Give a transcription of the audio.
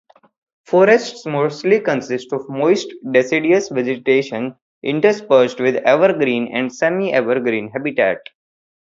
Forests mostly consist of moist deciduous vegetation interspersed with evergreen and semi-evergreen habitat.